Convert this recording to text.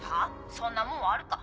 そんなもんあるか